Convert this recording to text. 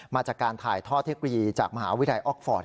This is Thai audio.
มาจากการถ่ายท่อเทคโนโลยีจากมหาวิทยาลัยออกฟอร์ต